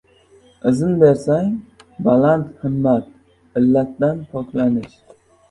— Izn bersang, baland himmat, illatdan poklanish